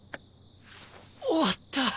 終わった！